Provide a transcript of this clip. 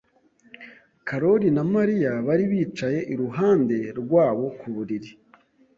Karoli na Mariya bari bicaye iruhande rwabo ku buriri.